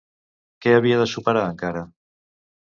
Què havia de superar encara?